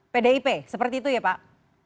pdip seperti itu ya pak